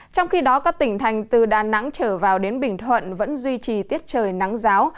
trong khi đó các tỉnh thành từ đà nẵng trở vào đến bình thuận vẫn duy trì tiết trời nắng giáo